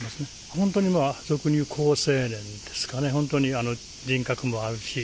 本当に俗にいう好青年ですかね、本当に人格もあるし。